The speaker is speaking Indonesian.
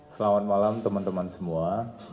selamat malam teman teman semua